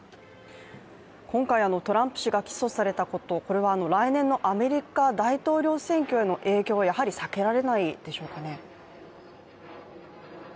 今回、トランプ氏が起訴されたこと、これは来年のアメリカ大統領選挙への影響はやはり避けられないんでしょうかね？